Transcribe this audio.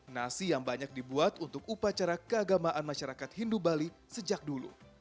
nasi yang banyak dibuat untuk upacara keagamaan masyarakat hindu bali sejak dulu